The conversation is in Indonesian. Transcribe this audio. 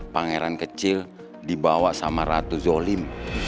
pangeran kecil dibawa sama ratu zolim